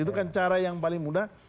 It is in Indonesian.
itu kan cara yang paling mudah